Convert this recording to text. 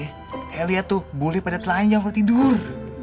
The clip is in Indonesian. ee liat tuh boleh pada telanjang kalo tidur